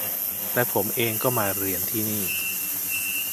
และผมเองก็มาเรียนที่นี่